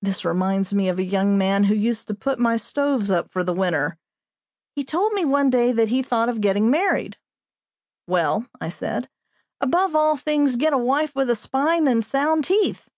This reminds me of a young man who used to put my stoves up for the winter. He told me one day that he thought of getting married. "Well," I said, "above all things get a wife with a spine and sound teeth."